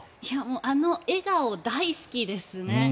あの笑顔、大好きですね。